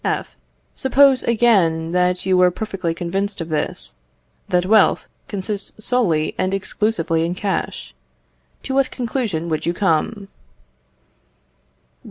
F. Suppose, again, that you were perfectly convinced of this, that wealth consists solely and exclusively in cash; to what conclusion would you come?